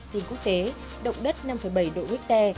tỉnh quốc tế động đất năm bảy độ quýt tè